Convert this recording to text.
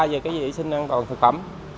về vệ sinh an toàn thực phẩm